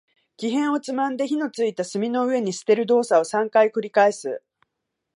木片をつまんで、火の付いた炭の上に捨てる動作を三回繰り返す。